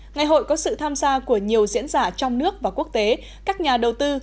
ngày hội có sự tham gia của nhiều diễn giả trong nước và quốc tế các nhà đầu tư